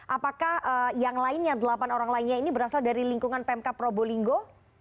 apakah yang lainnya delapan orang lainnya ini berasal dari lingkungan pmk probolinggo